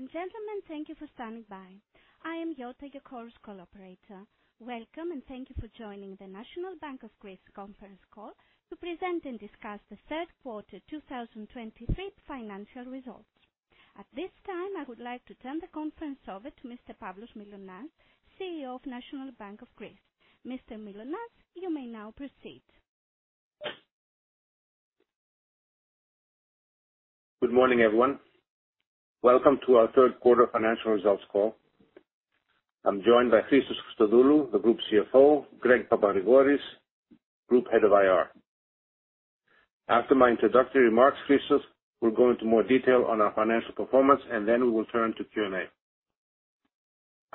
Ladies and gentlemen, thank you for standing by. I am Yota, your call's operator. Welcome, and thank you for joining the National Bank of Greece Conference Call to present and discuss the third quarter 2023 financial results. At this time, I would like to turn the conference over to Mr. Pavlos Mylonas, CEO of National Bank of Greece. Mr. Mylonas, you may now proceed. Good morning, everyone. Welcome to our third quarter financial results call. I'm joined by Christos Christodoulou, the Group CFO, Greg Papagrigoris, Group Head of Investor Relations. After my introductory remarks, Christos will go into more detail on our financial performance, and then we will turn to Q&A.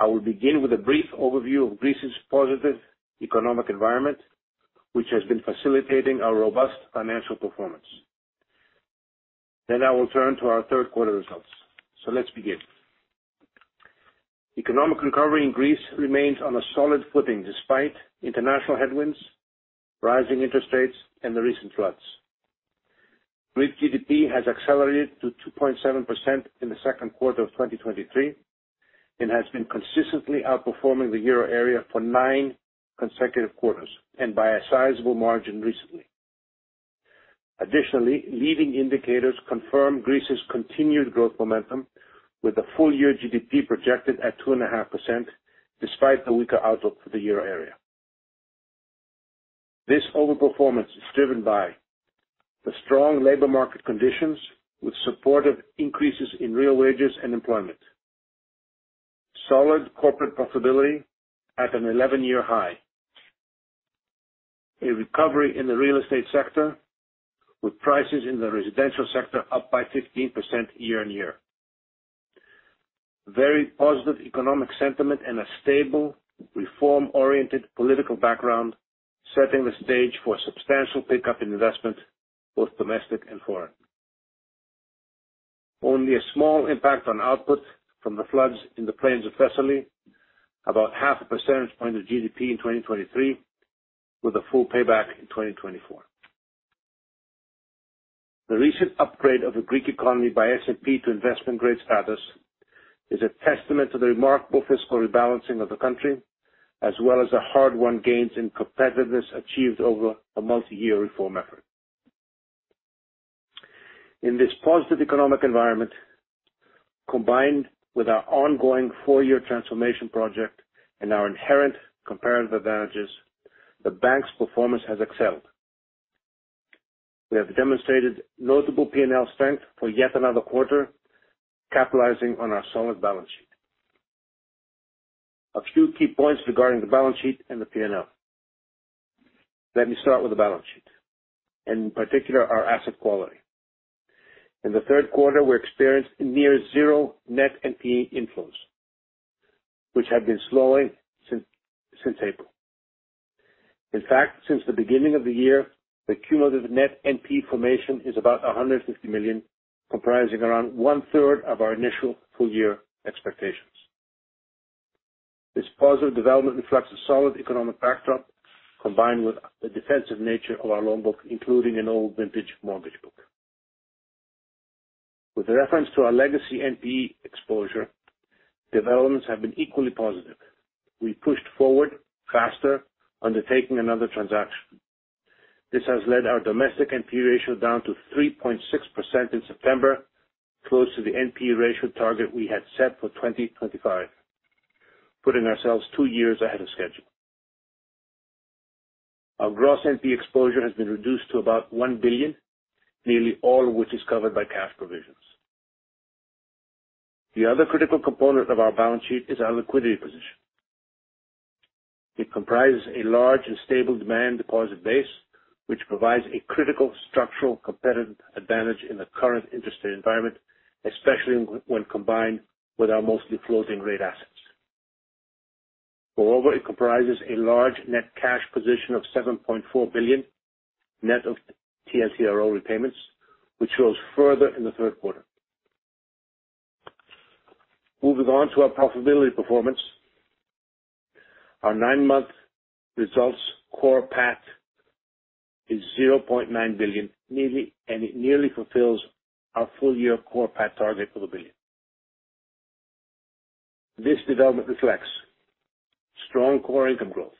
I will begin with a brief overview of Greece's positive economic environment, which has been facilitating our robust financial performance. Then I will turn to our third quarter results. So let's begin. Economic recovery in Greece remains on a solid footing, despite international headwinds, rising interest rates, and the recent floods. Greek GDP has accelerated to 2.7% in the second quarter of 2023, and has been consistently outperforming the Euro area for nine consecutive quarters, and by a sizable margin recently. Additionally, leading indicators confirm Greece's continued growth momentum with a full year GDP projected at 2.5%, despite the weaker outlook for the Euro area. This overperformance is driven by the strong labor market conditions, with supportive increases in real wages and employment, solid corporate profitability at an 11-year high, a recovery in the real estate sector, with prices in the residential sector up by 15% year-on-year. Very positive economic sentiment and a stable, reform-oriented political background, setting the stage for substantial pickup in investment, both domestic and foreign. Only a small impact on output from the floods in the plains of Thessaly, about 0.5% of GDP in 2023, with a full payback in 2024. The recent upgrade of the Greek economy by S&P to investment grade status is a testament to the remarkable fiscal rebalancing of the country, as well as the hard-won gains in competitiveness achieved over a multi-year reform effort. In this positive economic environment, combined with our ongoing four-year transformation project and our inherent comparative advantages, the bank's performance has excelled. We have demonstrated notable P&L strength for yet another quarter, capitalizing on our solid balance sheet. A few key points regarding the balance sheet and the P&L. Let me start with the balance sheet, and in particular, our asset quality. In the third quarter, we experienced near zero net NPE inflows, which have been slowing since April. In fact, since the beginning of the year, the cumulative net NPE formation is about 150 million, comprising around one-third of our initial full year expectations. This positive development reflects a solid economic backdrop, combined with the defensive nature of our loan book, including an old vintage mortgage book. With reference to our legacy NPE exposure, developments have been equally positive. We pushed forward faster, undertaking another transaction. This has led our domestic NPE ratio down to 3.6% in September, close to the NPE ratio target we had set for 2025, putting ourselves two years ahead of schedule. Our gross NPE exposure has been reduced to about 1 billion, nearly all of which is covered by cash provisions. The other critical component of our balance sheet is our liquidity position. It comprises a large and stable demand deposit base, which provides a critical structural competitive advantage in the current interest rate environment, especially when combined with our mostly floating rate assets. Moreover, it comprises a large net cash position of 7.4 billion, net of TLTRO repayments, which rose further in the third quarter. Moving on to our profitability performance, our nine-month results, core PAT is 0.9 billion, and it nearly fulfills our full-year core PAT target of 1 billion. This development reflects strong core income growth,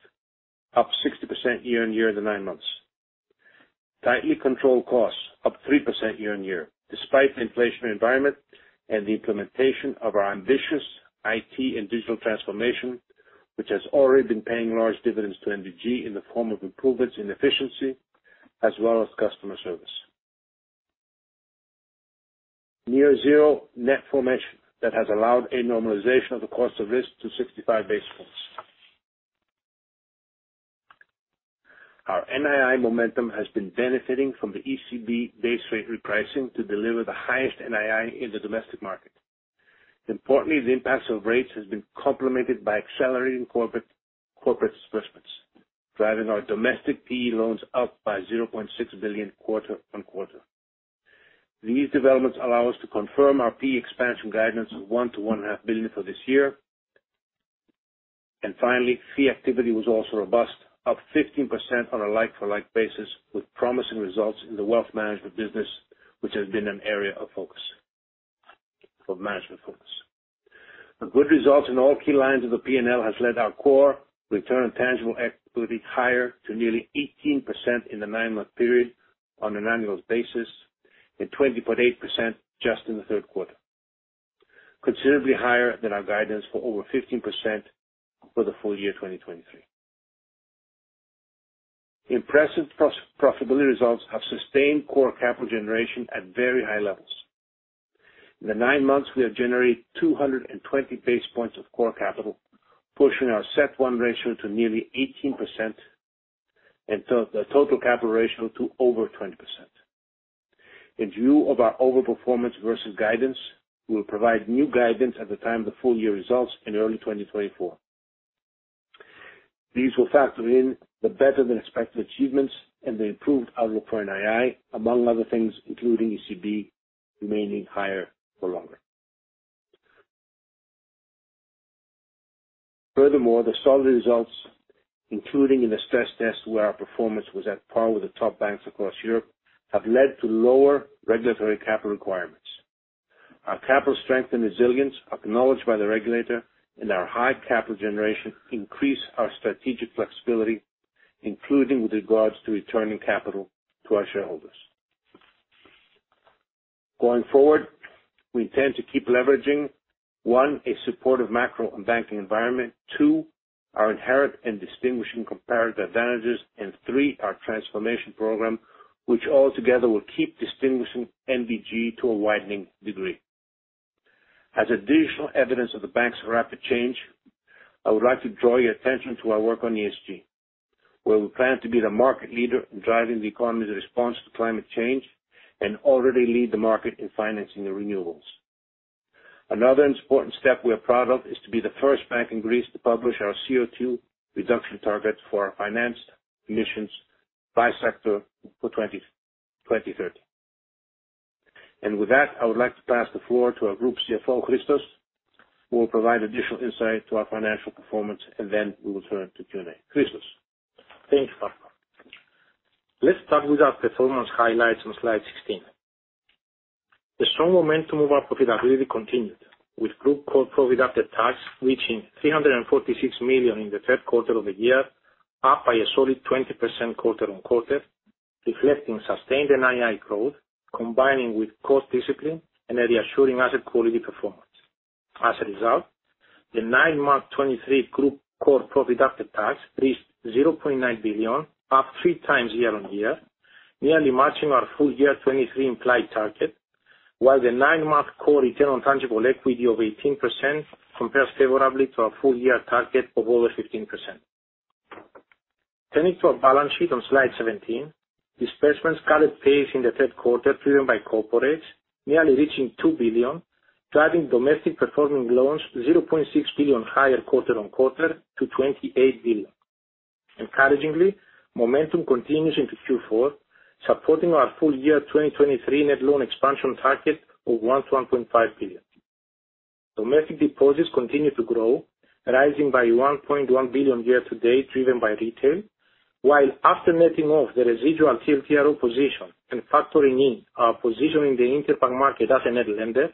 up 60% year-on-year in the nine months. Tightly controlled costs, up 3% year-on-year, despite the inflationary environment and the implementation of our ambitious IT and digital transformation, which has already been paying large dividends to NBG in the form of improvements in efficiency as well as customer service. Near zero net formation that has allowed a normalization of the cost of risk to 65 basis points. Our NII momentum has been benefiting from the ECB base rate repricing to deliver the highest NII in the domestic market. Importantly, the impacts of rates has been complemented by accelerating corporate, corporate disbursements, driving our domestic PE loans up by 0.6 billion quarter-on-quarter. These developments allow us to confirm our PE expansion guidance of 1 billion-1.5 billion for this year. And finally, fee activity was also robust, up 15% on a like-for-like basis, with promising results in the wealth management business, which has been an area of focus, for management focus. The good results in all key lines of the P&L has led our core return on tangible equity higher to nearly 18% in the nine-month period on an annual basis, and 20.8% just in the third quarter. Considerably higher than our guidance for over 15% for the full year 2023. Impressive profitability results have sustained core capital generation at very high levels. In the nine months, we have generated 220 basis points of core capital, pushing our CET1 ratio to nearly 18%, and to the total capital ratio to over 20%. In view of our overperformance versus guidance, we will provide new guidance at the time of the full year results in early 2024. These will factor in the better than expected achievements and the improved outlook for NII, among other things, including ECB remaining higher for longer. Furthermore, the solid results, including in the stress test, where our performance was at par with the top banks across Europe, have led to lower regulatory capital requirements. Our capital strength and resilience, acknowledged by the regulator and our high capital generation, increase our strategic flexibility, including with regards to returning capital to our shareholders. Going forward, we intend to keep leveraging, one, a supportive macro and banking environment, two, our inherent and distinguishing comparative advantages, and three, our transformation program, which altogether will keep distinguishing NBG to a widening degree. As additional evidence of the bank's rapid change, I would like to draw your attention to our work on ESG, where we plan to be the market leader in driving the economy's response to climate change and already lead the market in financing the renewables. Another important step we are proud of is to be the first bank in Greece to publish our CO2 reduction target for our financed emissions by sector for 2030. And with that, I would like to pass the floor to our group CFO, Christos, who will provide additional insight to our financial performance, and then we will turn to Q&A. Christos? Thanks, Pavlos. Let's start with our performance highlights on slide 16. The strong momentum of our profitability continued, with group core profit after tax reaching 346 million in the third quarter of the year, up by a solid 20% quarter-on-quarter, reflecting sustained NII growth, combining with cost discipline and a reassuring asset quality performance. As a result, the nine-month 2023 group core profit after tax reached 0.9 billion, up 3 times year-on-year, nearly matching our full year 2023 implied target, while the nine-month core return on tangible equity of 18% compares favorably to our full year target of over 15%. Turning to our balance sheet on slide 17, disbursements gathered pace in the third quarter, driven by corporates, nearly reaching 2 billion, driving domestic performing loans 0.6 billion higher quarter-on-quarter to 28 billion. Encouragingly, momentum continues into Q4, supporting our full year 2023 net loan expansion target of 1 billion-1.5 billion. Domestic deposits continue to grow, rising by 1.1 billion year to date, driven by retail, while after netting off the residual TLTRO position and factoring in our position in the interbank market as a net lender,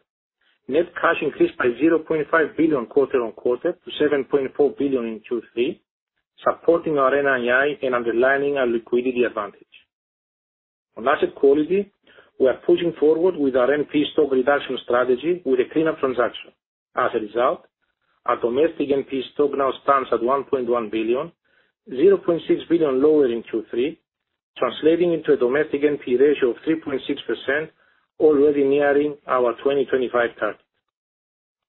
net cash increased by 0.5 billion quarter-on-quarter to 7.4 billion in Q3, supporting our NII and underlining our liquidity advantage. On asset quality, we are pushing forward with our NPE stock reduction strategy with a clean-up transaction. As a result, our domestic NPE stock now stands at 1.1 billion, 0.6 billion lower in Q3, translating into a domestic NPE ratio of 3.6%, already nearing our 2025 target.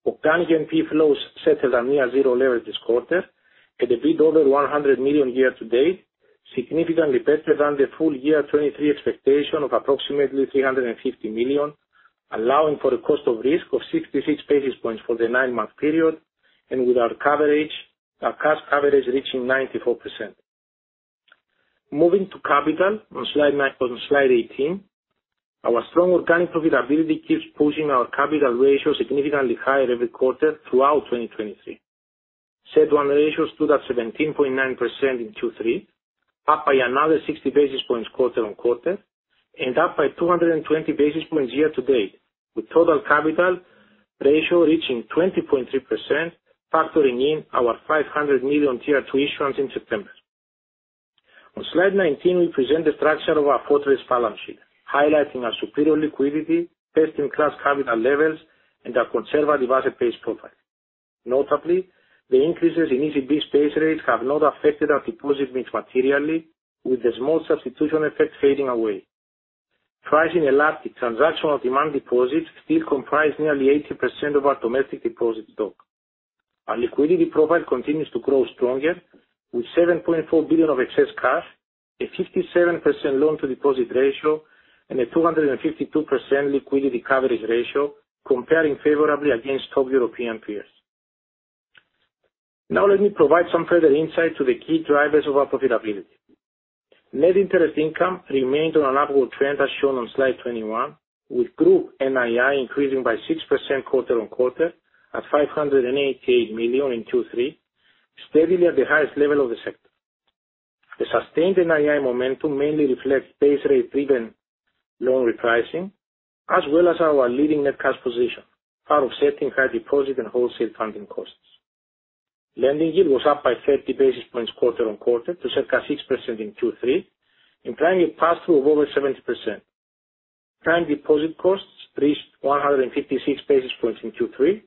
Organic NPE flows settled at near zero level this quarter, at a bit over 100 million year to date, significantly better than the full year 2023 expectation of approximately 350 million, allowing for a cost of risk of 66 basis points for the nine-month period, and with our coverage, our cash coverage reaching 94%. Moving to capital on slide 18, our strong organic profitability keeps pushing our capital ratio significantly higher every quarter throughout 2023. CET1 ratio stood at 17.9% in Q3, up by another 60 basis points quarter on quarter, and up by 220 basis points year to date, with total capital ratio reaching 20.3%, factoring in our 500 million Tier 2 issuance in September. On slide 19, we present the structure of our fortress balance sheet, highlighting our superior liquidity, best-in-class capital levels, and our conservative asset-based profile. Notably, the increases in ECB base rates have not affected our deposit mix materially, with the small substitution effect fading away. Price inelastic transactional demand deposits still comprise nearly 80% of our domestic deposit stock. Our liquidity profile continues to grow stronger, with 7.4 billion of excess cash, a 57% loan-to-deposit ratio, and a 252% liquidity coverage ratio, comparing favorably against top European peers. Now, let me provide some further insight to the key drivers of our profitability. Net interest income remained on an upward trend, as shown on slide 21, with group NII increasing by 6% quarter-on-quarter, at 588 million in Q3, steadily at the highest level of the sector. The sustained NII momentum mainly reflects base rate-driven loan repricing, as well as our leading net cash position, part of setting high deposit and wholesale funding costs. Lending yield was up by 30 basis points quarter on quarter, to circa 6% in Q3, implying a pass-through of over 70%. Prime deposit costs reached 156 basis points in Q3,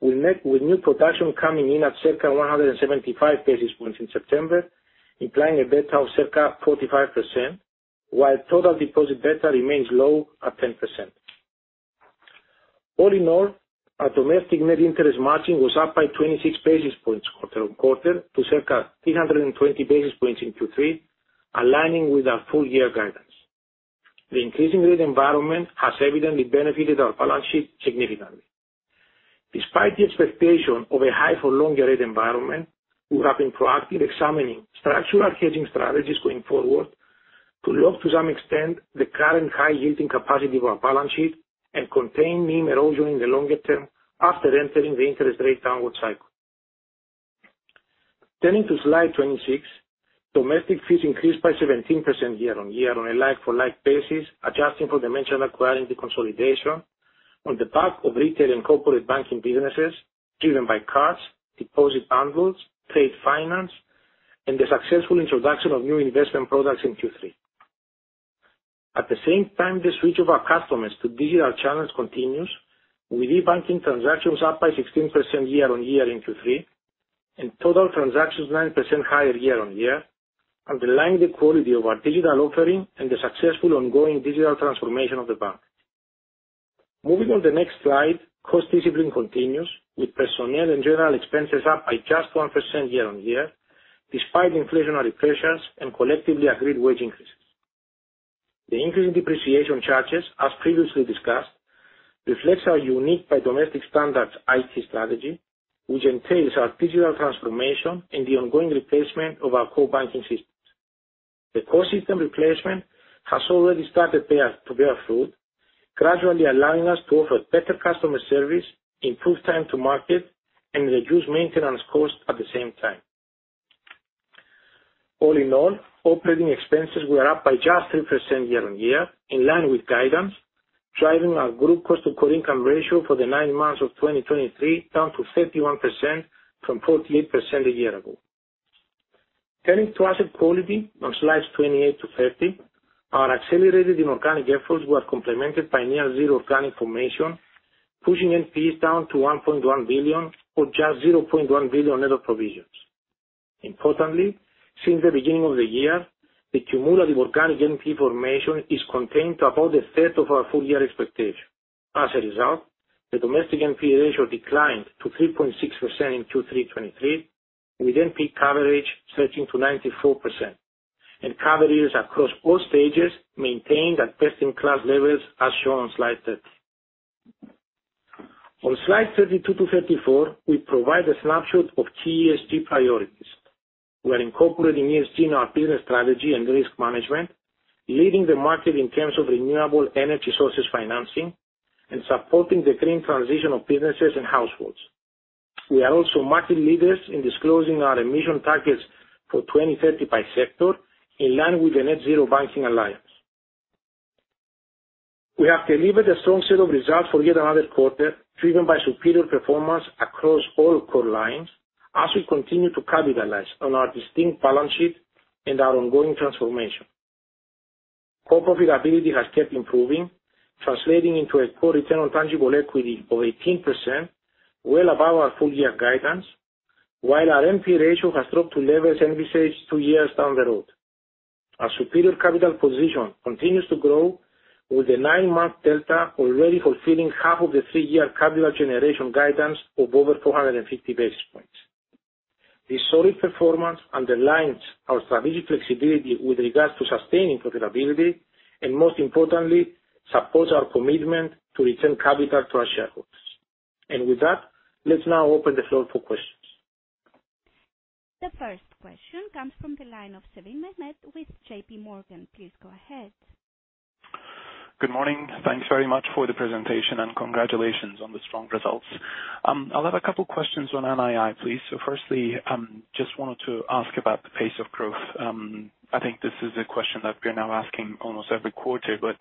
with new production coming in at circa 175 basis points in September, implying a beta of circa 45%, while total deposit beta remains low at 10%. All in all, our domestic net interest margin was up by 26 basis points quarter on quarter, to circa 320 basis points in Q3, aligning with our full year guidance. The increasing rate environment has evidently benefited our balance sheet significantly. Despite the expectation of a high for longer rate environment, we have been proactive examining structural hedging strategies going forward, to lock to some extent, the current high yielding capacity of our balance sheet, and contain NIM erosion in the longer term after entering the interest rate downward cycle. Turning to slide 26, domestic fees increased by 17% year-over-year on a like for like basis, adjusting for the mentioned acquiring consolidation on the back of retail and corporate banking businesses, driven by cards, deposit bundles, trade finance, and the successful introduction of new investment products in Q3. At the same time, the switch of our customers to digital channels continues, with e-banking transactions up by 16% year-over-year in Q3, and total transactions 9% higher year-over-year, underlying the quality of our digital offering and the successful ongoing digital transformation of the bank. Moving on to the next slide, cost discipline continues, with personnel and general expenses up by just 1% year-on-year, despite inflationary pressures and collectively agreed wage increases. The increase in depreciation charges, as previously discussed, reflects our unique, by domestic standards, IT strategy, which entails our digital transformation and the ongoing replacement of our core banking systems. The core system replacement has already started to bear fruit, gradually allowing us to offer better customer service, improve time to market, and reduce maintenance costs at the same time. All in all, operating expenses were up by just 3% year-on-year, in line with guidance, driving our group cost-to-core-income ratio for the nine months of 2023, down to 31% from 48% a year ago. Turning to asset quality on slides 28-30, our accelerated inorganic efforts were complemented by near zero organic formation, pushing NPS down to 1.1 billion, or just 0.1 billion net of provisions. Importantly, since the beginning of the year, the cumulative organic NP formation is contained to about a third of our full year expectation. As a result, the domestic NP ratio declined to 3.6% in Q3 2023, with NP coverage reaching 94%, and coverages across all stages maintained at best-in-class levels, as shown on slide 30. On slides 32-34, we provide a snapshot of key ESG priorities. We are incorporating ESG in our business strategy and risk management, leading the market in terms of renewable energy sources financing, and supporting the green transition of businesses and households. We are also market leaders in disclosing our emission targets for 2030 by sector, in line with the Net-Zero Banking Alliance. We have delivered a strong set of results for yet another quarter, driven by superior performance across all core lines, as we continue to capitalize on our distinct balance sheet and our ongoing transformation. Core profitability has kept improving, translating into a core return on tangible equity of 18%, well above our full year guidance, while our NP ratio has dropped to levels envisaged two years down the road. Our superior capital position continues to grow, with the nine month delta already fulfilling half of the 3-year capital generation guidance of over 450 basis points. This solid performance underlines our strategic flexibility with regards to sustaining profitability, and most importantly, supports our commitment to return capital to our shareholders. With that, let's now open the floor for questions. The first question comes from the line of Sevim Mehmet with J.P. Morgan. Please go ahead. Good morning. Thanks very much for the presentation, and congratulations on the strong results. I'll have a couple questions on NII, please. So firstly, just wanted to ask about the pace of growth. I think this is a question that we're now asking almost every quarter, but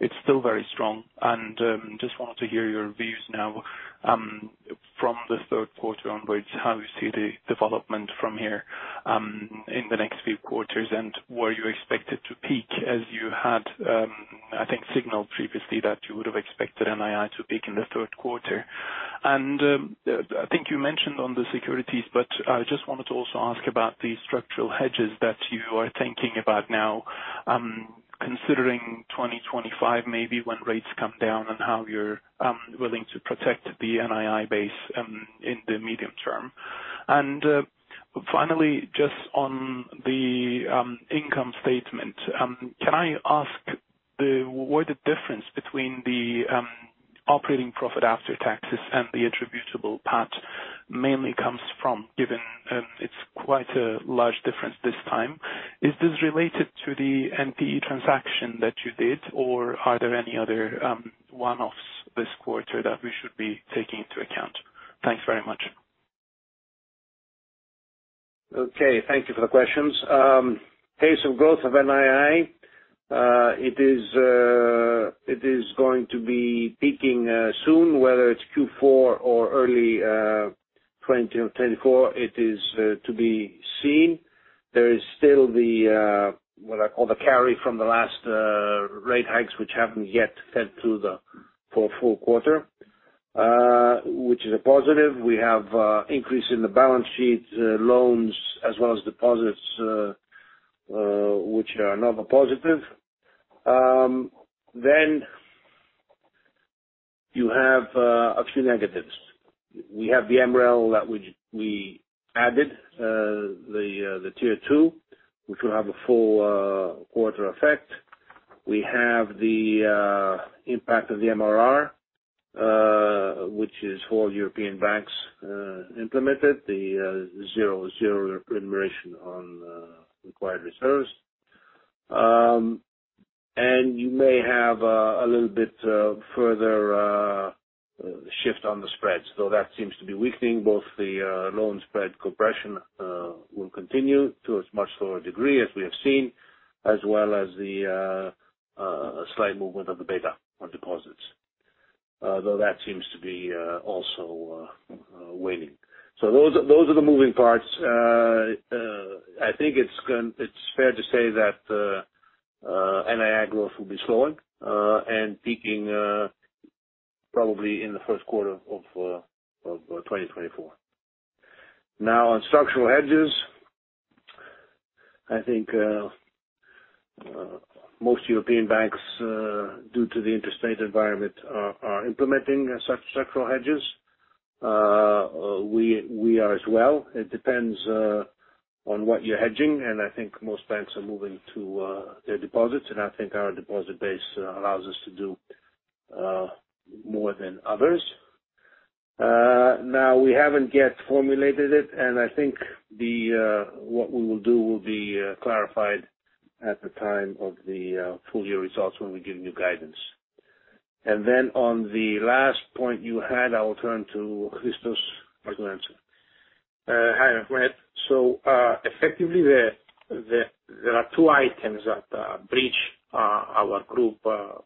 it's still very strong. And, just wanted to hear your views now, from the third quarter onwards, how you see the development from here, in the next few quarters, and were you expected to peak as you had, I think signaled previously, that you would have expected NII to peak in the third quarter? And, I think you mentioned on the securities, but I just wanted to also ask about the structural hedges that you are thinking about now, considering 2025, maybe when rates come down, and how you're willing to protect the NII base in the medium term. And, finally, just on the income statement, can I ask what the difference between the operating profit after taxes and the attributable part mainly comes from, given it's quite a large difference this time. Is this related to the NPE transaction that you did, or are there any other one-offs this quarter that we should be taking into account? Thanks very much. Okay, thank you for the questions. Pace of growth of NII, it is going to be peaking soon, whether it's Q4 or early 2024, it is to be seen. There is still the what I call the carry from the last rate hikes, which haven't yet fed through for a full quarter, which is a positive. We have increase in the balance sheet, loans as well as deposits, which are another positive. Then you have a few negatives. We have the MREL that we added, the Tier 2, which will have a full quarter effect. We have the impact of the MRR, which is all European banks implemented, the zero-zero remuneration on required reserves. And you may have a little bit further shift on the spreads, though that seems to be weakening. Both the loan spread compression will continue to as much slower degree as we have seen, as well as the slight movement of the beta on deposits. Though that seems to be also waning. So those are the moving parts. I think it's fair to say that NII growth will be slowing and peaking probably in the first quarter of 2024. Now, on structural hedges, I think most European banks due to the interest rate environment are implementing such structural hedges. We are as well. It depends on what you're hedging, and I think most banks are moving to their deposits, and I think our deposit base allows us to do more than others. Now, we haven't yet formulated it, and I think the what we will do will be clarified at the time of the full year results when we give new guidance. And then on the last point you had, I will turn to Christos to answer. Hi, Renat. So, effectively, there are two items that bridge our group core profit with Group PAT.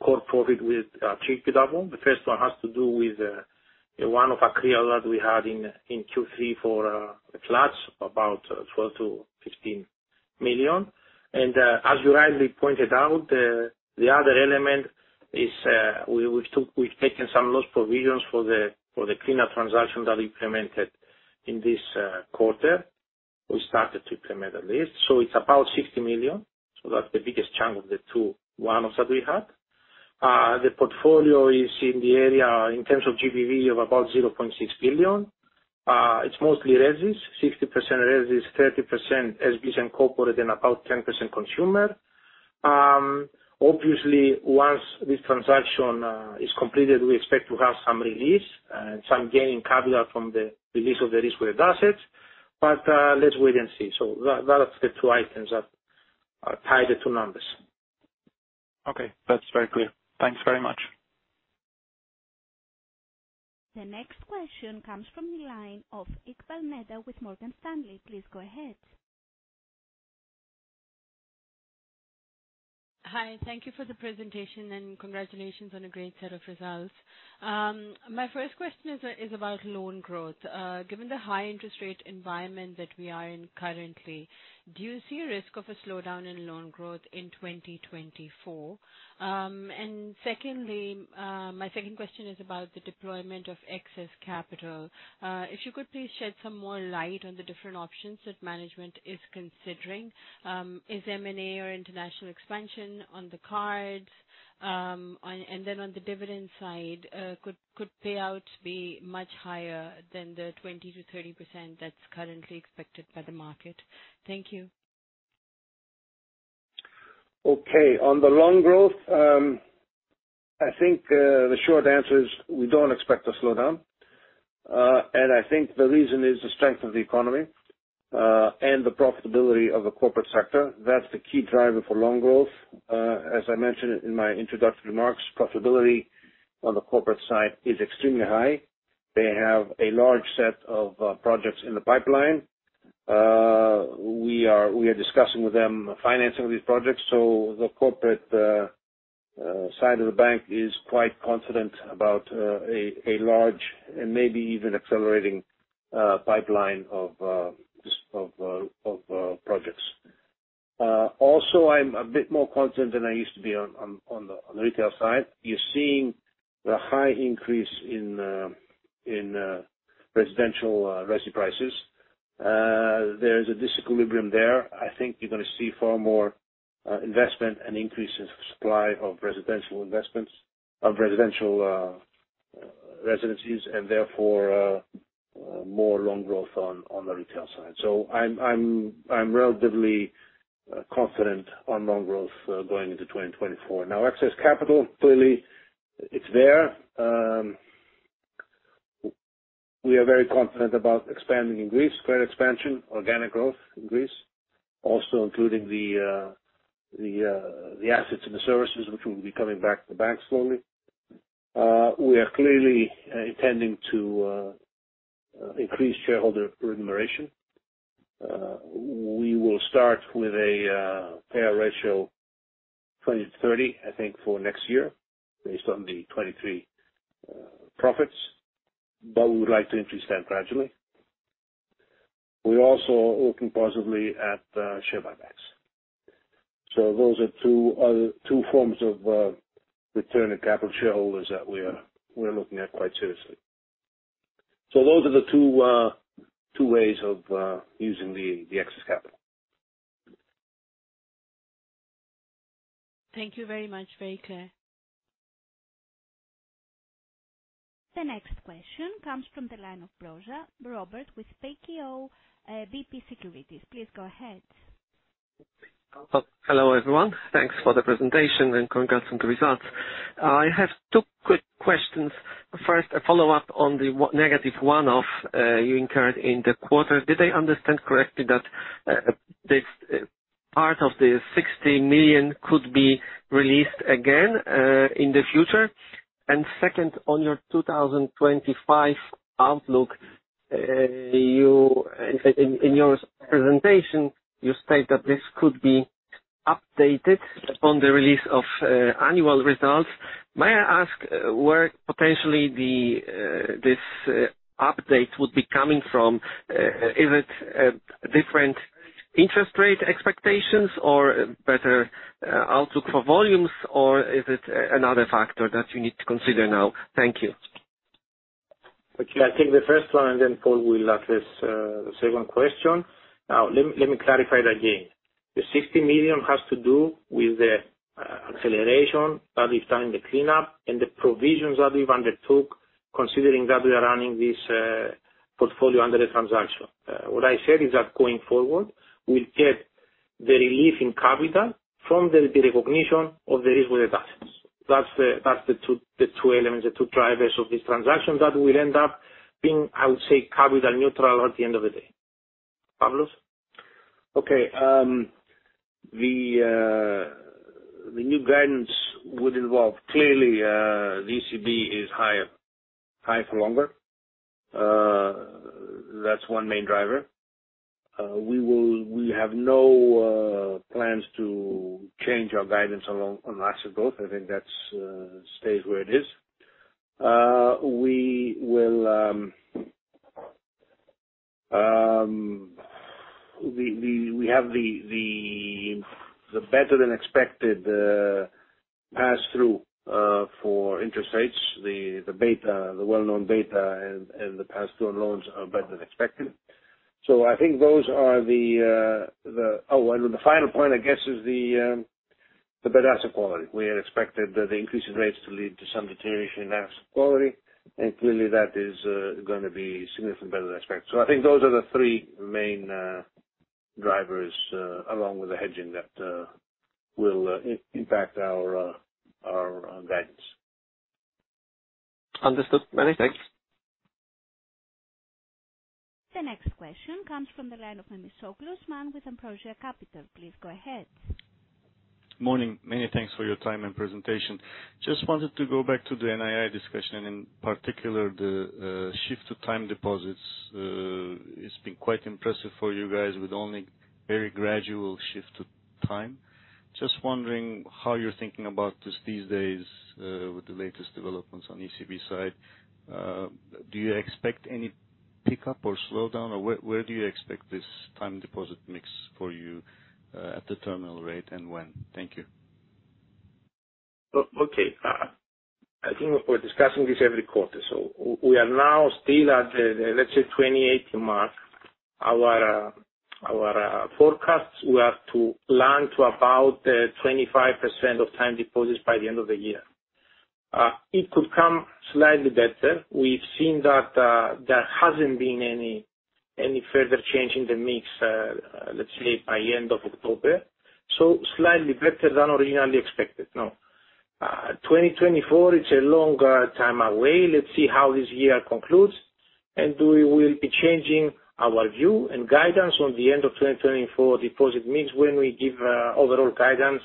The first one has to do with one of accreta that we had in Q3 for flats, about 12-15 million. And, as you rightly pointed out, the other element is, we took—we've taken some loss provisions for the cleanup transactions that we implemented in this quarter. We started to implement at least. So it's about 60 million, so that's the biggest chunk of the two one-offs that we had. The portfolio is in the area, in terms of GBV, of about 0.6 billion. It's mostly resis. 60% resis, 30% SMEs and corporate, and about 10% consumer. Obviously, once this transaction is completed, we expect to have some release, some gain in capital from the release of the risk-weighted assets, but let's wait and see. So that, that's the two items that tie the two numbers. Okay. That's very clear. Thanks very much. The next question comes from the line of Nida Iqbal with Morgan Stanley. Please go ahead. Hi, thank you for the presentation, and congratulations on a great set of results. My first question is about loan growth. Given the high interest rate environment that we are in currently, do you see a risk of a slowdown in loan growth in 2024? And secondly, my second question is about the deployment of excess capital. If you could please shed some more light on the different options that management is considering. Is M&A or international expansion on the cards? And then on the dividend side, could payout be much higher than the 20%-30% that's currently expected by the market? Thank you. Okay. On the loan growth, I think the short answer is we don't expect to slow down. I think the reason is the strength of the economy and the profitability of the corporate sector. That's the key driver for loan growth. As I mentioned in my introductory remarks, profitability on the corporate side is extremely high. They have a large set of projects in the pipeline. We are discussing with them financing of these projects, so the corporate side of the bank is quite confident about a large and maybe even accelerating pipeline of projects. Also, I'm a bit more confident than I used to be on the retail side. You're seeing the high increase in residential resi prices. There is a disequilibrium there. I think you're going to see far more investment and increase in supply of residential investments, of residential residencies, and therefore more loan growth on the retail side. So I'm relatively confident on loan growth going into 2024. Now, excess capital, clearly it's there. We are very confident about expanding in Greece, credit expansion, organic growth in Greece, also including the assets and the services which will be coming back to the bank slowly. We are clearly intending to increase shareholder remuneration. We will start with a payout ratio 20-30, I think, for next year, based on the 2023 profits, but we would like to increase that gradually. We're also looking positively at share buybacks. So those are two forms of returning capital to shareholders that we're looking at quite seriously. So those are the two ways of using the excess capital. Thank you very much. Very clear. The next question comes from the line of Robert Brzoza, with PKO BP Securities. Please go ahead. Hello, everyone. Thanks for the presentation, and congrats on the results. I have two quick questions. First, a follow-up on the negative one-off you incurred in the quarter. Did I understand correctly that this part of the 60 million could be released again in the future? And second, on your 2025 outlook, in your presentation you state that this could be updated upon the release of annual results. May I ask where potentially this update would be coming from? Is it different interest rate expectations, or better outlook for volumes, or is it another factor that you need to consider now? Thank you. Okay, I'll take the first one, and then Paul will address the second question. Now, let me, let me clarify that again. The 60 million has to do with the acceleration that we've done in the cleanup and the provisions that we've undertook, considering that we are running this portfolio under the transaction. What I said is that going forward, we'll get the relief in capital from the recognition of the risk-weighted assets. That's the two elements, the two drivers of this transaction that will end up being, I would say, capital neutral at the end of the day. Pavlos? Okay, the new guidance would involve. Clearly, ECB is higher for longer. That's one main driver. We have no plans to change our guidance along on asset growth. I think that stays where it is. We have the better than expected pass-through for interest rates, the beta, the well-known beta and the pass-through loans are better than expected. So I think those are the... Oh, and the final point, I guess, is the better asset quality. We had expected the increase in rates to lead to some deterioration in asset quality, and clearly that is going to be significantly better than expected. So I think those are the three main drivers, along with the hedging that will impact our guidance. Understood. Many thanks. The next question comes from the line of Osman Memisoglu with Ambrosia Capital. Please go ahead. Morning. Many thanks for your time and presentation. Just wanted to go back to the NII discussion, and in particular, the shift to time deposits. It's been quite impressive for you guys with only very gradual shift to time. Just wondering how you're thinking about this these days, with the latest developments on ECB side. Do you expect any pickup or slowdown, or where, where do you expect this time deposit mix for you, at the terminal rate and when? Thank you. Okay. I think we're discussing this every quarter. So we are now still at the, let's say, 28 mark. Our forecasts, we have to plan to about 25% of time deposits by the end of the year. It could come slightly better. We've seen that there hasn't been any further change in the mix, let's say, by end of October, so slightly better than originally expected. Now, 2024 is a long time away. Let's see how this year concludes, and we will be changing our view and guidance on the end of 2024 deposit mix, when we give overall guidance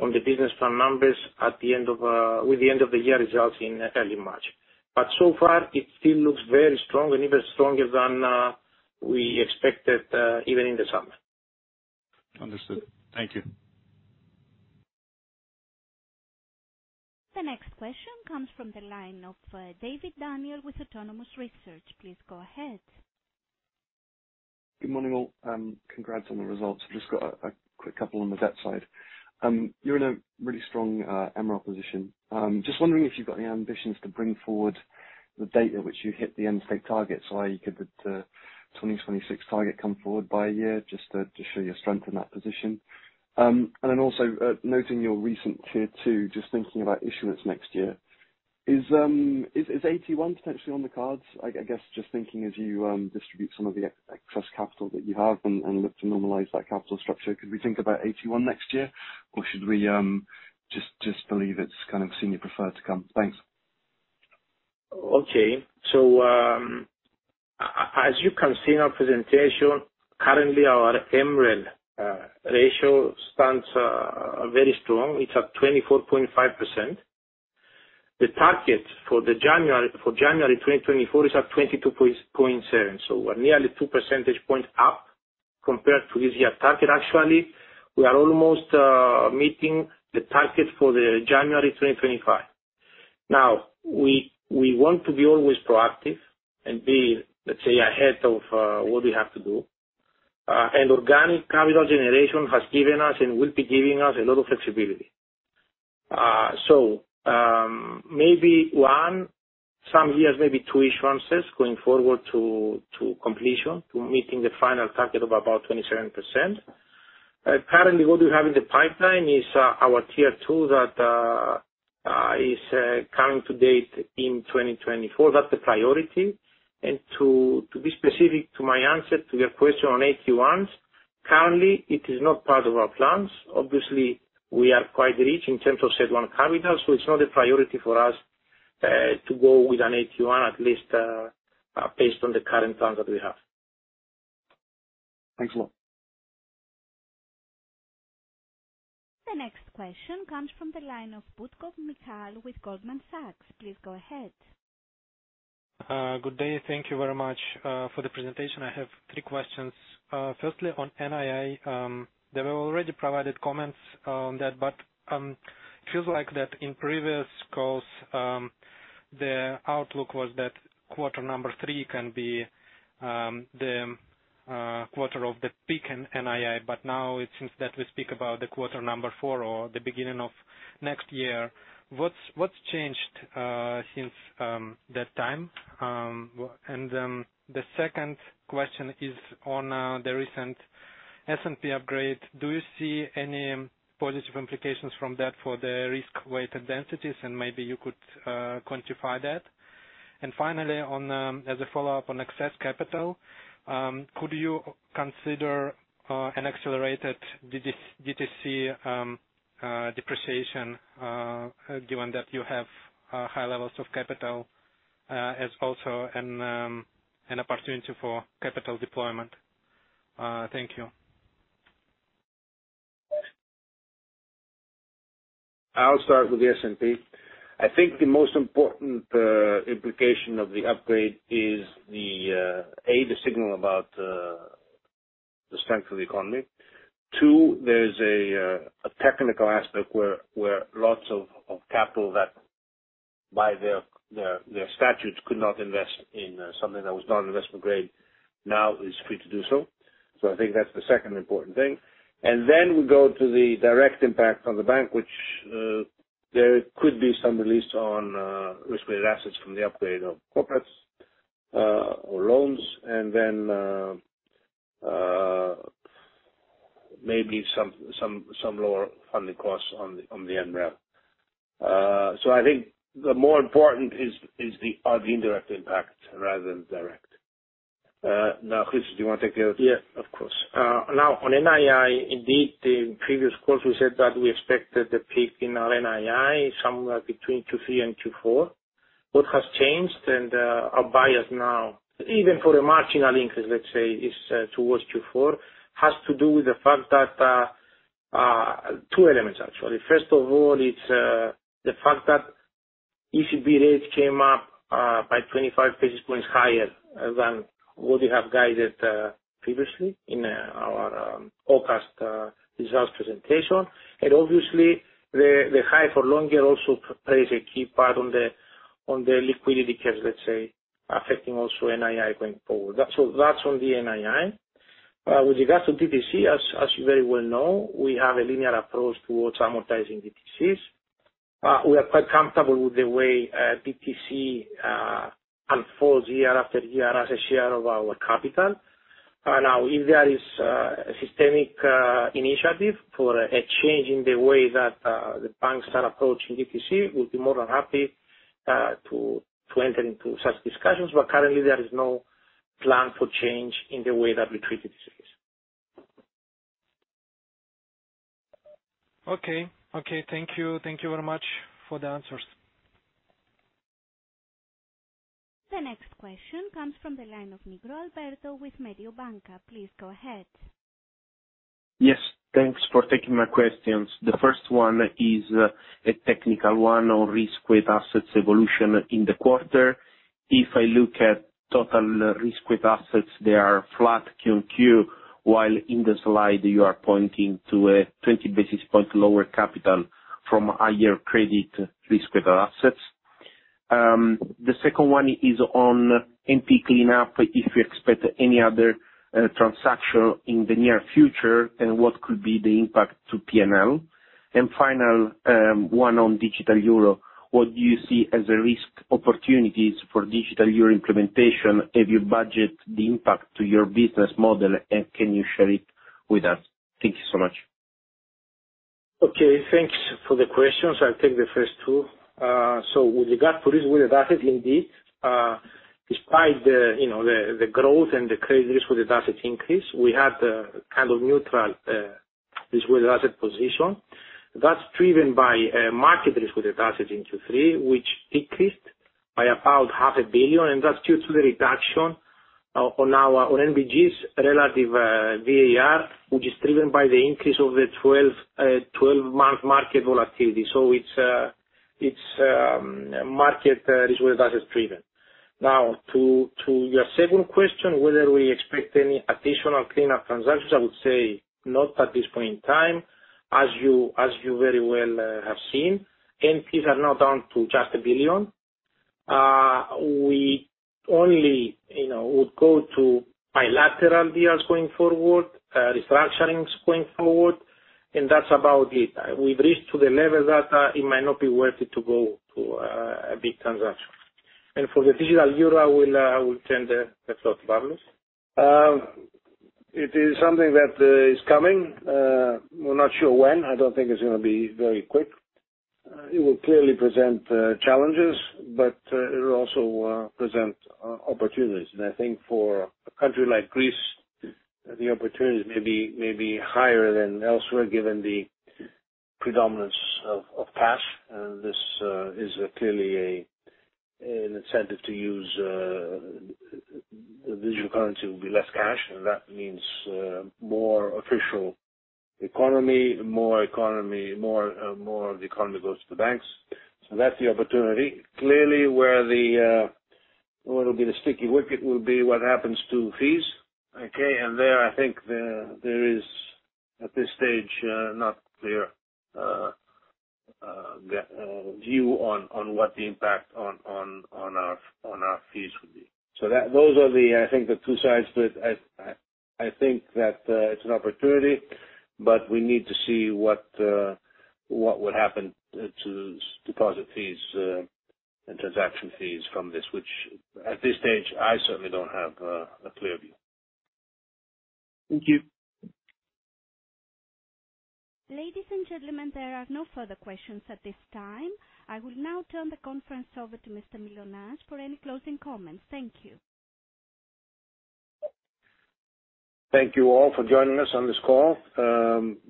on the business plan numbers at the end of, with the end of the year results in early March. But so far, it still looks very strong and even stronger than we expected, even in the summer. Understood. Thank you. The next question comes from the line of David Daniel with Autonomous Research. Please go ahead. Good morning, all. Congrats on the results. I've just got a quick couple on the debt side. You're in a really strong MREL position. Just wondering if you've got any ambitions to bring forward the date at which you hit the end state target, so could the 2026 target come forward by a year, just to show your strength in that position? And then also, noting your recent Tier 2, just thinking about issuance next year, is AT1 potentially on the cards? I guess, just thinking as you distribute some of the excess capital that you have and look to normalize that capital structure, could we think about AT1 next year? Or should we just believe it's kind of senior preferred to come? Thanks. Okay. So, as you can see in our presentation, currently our MREL ratio stands very strong. It's at 24.5%. The target for January 2024 is at 22.7, so we're nearly two percentage points up compared to this year target actually. We are almost meeting the target for January 2025. Now, we want to be always proactive and be, let's say, ahead of what we have to do. And organic capital generation has given us and will be giving us a lot of flexibility. So, maybe one, some years, maybe two years going forward to completion, to meeting the final target of about 27%. Currently, what we have in the pipeline is our Tier 2 that is coming to maturity in 2024. That's the priority. To be specific to my answer to your question on AT1s, currently, it is not part of our plans. Obviously, we are quite rich in terms of CET1 capital, so it's not a priority for us to go with an AT1, at least based on the current plans that we have. Thanks a lot. The next question comes from the line of Mikhail Butkov with Goldman Sachs. Please go ahead. Good day. Thank you very much for the presentation. I have three questions. Firstly, on NII, they were already provided comments on that, but, feels like that in previous calls, the outlook was that quarter number three can be, the quarter of the peak in NII, but now it seems that we speak about the quarter number four or the beginning of next year. What's changed since that time? And the second question is on the recent S&P upgrade. Do you see any positive implications from that for the risk-weighted assets? And maybe you could quantify that. And finally, on as a follow-up on excess capital, could you consider an accelerated DTC depreciation, given that you have high levels of capital, as also an opportunity for capital deployment? Thank you. I'll start with the S&P. I think the most important implication of the upgrade is the the signal about the strength of the economy. Two, there's a technical aspect where lots of capital that, by their statutes could not invest in something that was non-investment grade, now is free to do so. So I think that's the second important thing. And then we go to the direct impact on the bank, which there could be some release on risk-weighted assets from the upgrade of corporates or loans, and then maybe some lower funding costs on the on the MREL. So I think the more important are the indirect impacts rather than direct. Now, Chris, do you want to take the other? Yeah, of course. Now, on NII, indeed, the previous call we said that we expected the peak in our NII somewhere between 2023 and 2024. What has changed, and our bias now, even for a marginal increase, let's say, is towards 2024, has to do with the fact that two elements, actually. First of all, it's the fact that ECB rates came up by 25 basis points higher than what we have guided previously in our forecast results presentation. And obviously, the high for longer also plays a key part on the liquidity curves, let's say, affecting also NII going forward. That's on the NII. With regards to DTC, as you very well know, we have a linear approach towards amortizing DTCs. We are quite comfortable with the way DTC unfolds year after year as a share of our capital. Now, if there is a systemic initiative for a change in the way that the banks are approaching DTC, we'll be more than happy to enter into such discussions, but currently there is no plan to change in the way that we treat DTCs. Okay. Okay, thank you. Thank you very much for the answers. The next question comes from the line of Alberto Nigro with Mediobanca. Please go ahead. Yes, thanks for taking my questions. The first one is a technical one on risk-weighted assets evolution in the quarter. If I look at total risk-weighted assets, they are flat Q and Q, while in the slide you are pointing to a 20 basis point lower capital from higher credit risk-weighted assets. The second one is on NP cleanup, if you expect any other transaction in the near future, and what could be the impact to PNL? Final one on Digital Euro. What do you see as a risk opportunities for Digital Euro implementation? Have you budget the impact to your business model, and can you share it with us? Thank you so much.... Okay, thanks for the questions. I'll take the first two. So with regard to risk-weighted assets, indeed, despite the, you know, the, the growth and the credit risk-weighted assets increase, we had a kind of neutral, risk-weighted asset position. That's driven by, market risk-weighted assets into three, which decreased by about 0.5 billion, and that's due to the reduction, on our- on NBG's relative, VaR, which is driven by the increase of the 12 month market volatility. So it's, it's, market, risk-weighted asset driven. Now, to, to your second question, whether we expect any additional cleanup transactions, I would say not at this point in time, as you, as you very well, have seen, NPS are now down to just 1 billion. We only, you know, would go to bilateral deals going forward, restructurings going forward, and that's about it. We've reached to the level that, it might not be worth it to go to, a big transaction. And for the digital euro, I will, I will turn the, turn to Pavlos. It is something that is coming. We're not sure when; I don't think it's gonna be very quick. It will clearly present challenges, but it will also present opportunities. I think for a country like Greece, the opportunities may be higher than elsewhere, given the predominance of cash, and this is clearly an incentive to use. The digital currency will be less cash, and that means more official economy, more economy, more of the economy goes to the banks. So that's the opportunity. Clearly, what will be the sticky wicket will be what happens to fees, okay? There, I think, there is at this stage not clear the view on what the impact on our fees will be. So those are the, I think, the two sides to it. I think that it's an opportunity, but we need to see what would happen to deposit fees and transaction fees from this, which at this stage, I certainly don't have a clear view. Thank you. Ladies and gentlemen, there are no further questions at this time. I will now turn the conference over to Mr. Mylonas for any closing comments. Thank you. Thank you all for joining us on this call.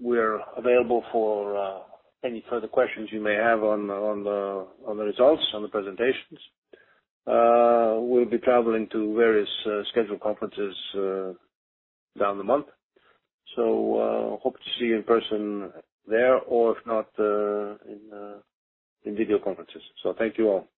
We're available for any further questions you may have on the results, on the presentations. We'll be traveling to various scheduled conferences during the month. Hope to see you in person there, or if not, in video conferences. So thank you all.